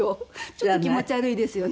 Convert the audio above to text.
ちょっと気持ち悪いですよね。